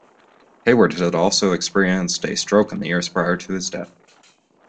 Heyward had also experienced a stroke in the years prior to his death.